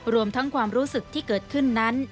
รวมทั้งความรู้สึกที่เกิดขึ้นนั้น